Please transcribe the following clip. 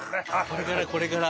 これからこれから。